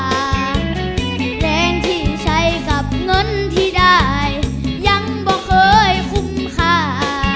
เพลงที่ใช้กับเงินที่ได้ยังบอกเคยคุ้มค่า